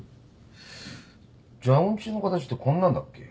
蛇口の形ってこんなんだっけ？